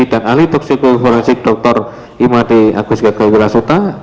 dan ahli toksikologi forensik dr imadi agus gagauwira sota